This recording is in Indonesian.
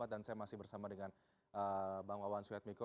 dan saya masih bersama dengan bang wawan swetmiko